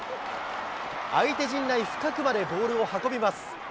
相手陣内深くまでボールを運びます。